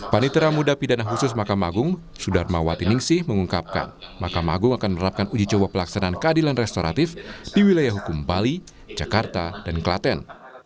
panitera muda pidana khusus mahkamah agung sudarmawati ningsih mengungkapkan mahkamah agung akan menerapkan uji coba pelaksanaan keadilan restoratif di wilayah hukum bali jakarta dan klaten